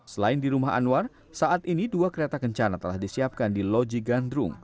selain di rumah anwar saat ini dua kereta kencana telah disiapkan di loji gandrung